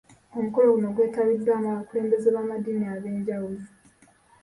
Omukolo guno gwetabiddwamu abakulembeze b'amadiini ag'enjawulo.